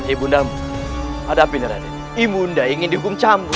ibu anda ingin dihukum cambuk